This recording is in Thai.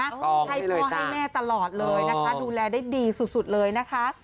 ให้พ่อให้แม่ตลอดเลยนะคะดูแลได้ดีสุดเลยนะคะ